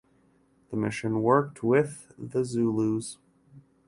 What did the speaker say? The mission worked with the Zulus.